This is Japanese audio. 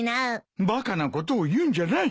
バカなことを言うんじゃない。